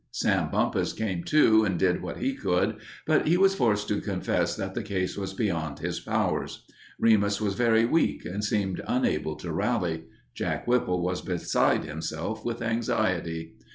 Sam Bumpus came, too, and did what he could, but he was forced to confess that the case was beyond his powers. Remus was very weak and seemed unable to rally. Jack Whipple was beside himself with anxiety.